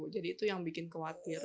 jadi itu yang bikin khawatir